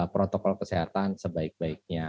protokol kesehatan sebaik baiknya